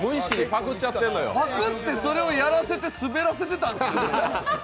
パクって、それをやらせててスベらせてたんですね。